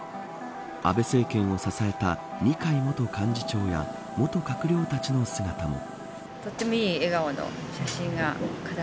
安倍政権を支えた二階元幹事長や元閣僚たちの姿も。